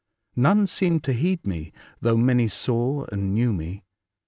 None seemed to heed me, though many saw and knew me.